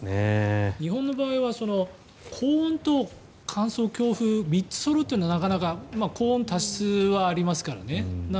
日本の場合は高温と乾燥、強風３つそろっているのはなかなか高温多湿はありますからね。